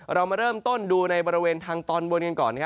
เรามาเริ่มต้นดูในบริเวณทางตอนบนกันก่อน